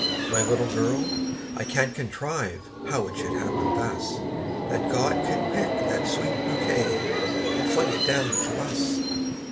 My little girl I can't contrive how it should happen thus That God could pick that sweet bouquet, and fling it down to us!